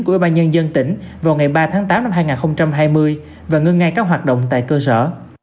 của ubnd tỉnh vào ngày ba tháng tám năm hai nghìn hai mươi và ngưng ngay các hoạt động tại cơ sở